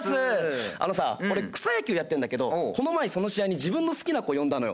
あのさ俺草野球やってるんだけどこの前その試合に自分の好きな子呼んだのよ。